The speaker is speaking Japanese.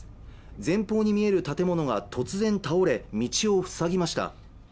前方に見える建物が突然倒れ道を塞ぎました